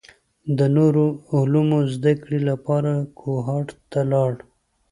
د نورو علومو زده کړې لپاره کوهاټ ته لاړ.